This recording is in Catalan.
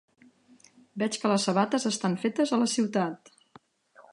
Veig que les sabates estan fetes a la ciutat.